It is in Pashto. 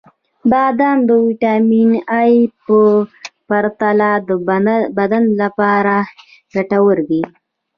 • بادام د ویټامین ای په پرتله د بدن لپاره ګټور دي.